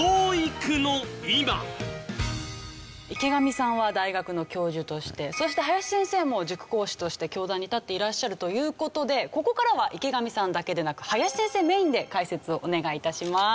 池上さんは大学の教授としてそして林先生も塾講師として教壇に立っていらっしゃるという事でここからは池上さんだけでなく林先生メインで解説をお願い致します。